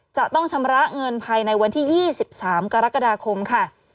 จะต้องชำระเงินภายในวันที่๒๓กรกฎาคมค่ะ